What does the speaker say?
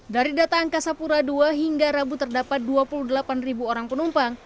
dari data angkasa pura ii hingga rabu terdapat dua puluh delapan ribu orang penumpang